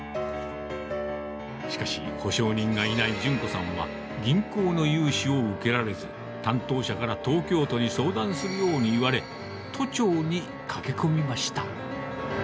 しかし、保証人がいない順子さんは銀行の融資を受けられず、担当者から東京都に相談するように言われ、都庁に駆け込みました。